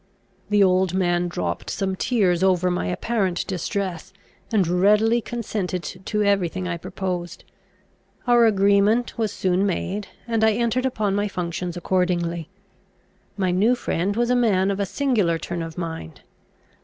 The old man dropped some tears over my apparent distress, and readily consented to every thing I proposed. Our agreement was soon made, and I entered upon my functions accordingly. My new friend was a man of a singular turn of mind.